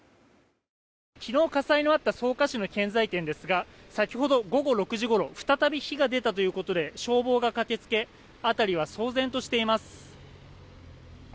昨日火災のあった草加市の建材店ですが先ほど午後６時ごろ再び火が出たということで消防が駆け付け辺りは騒然としています。